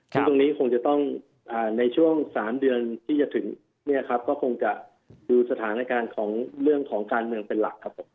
ซึ่งตรงนี้คงจะต้องในช่วง๓เดือนที่จะถึงเนี่ยครับก็คงจะดูสถานการณ์ของเรื่องของการเมืองเป็นหลักครับผม